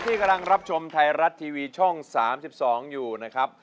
ที่กำลังรับชมไทยรัฐทีวีช่อง๓๒อยู่นะครับ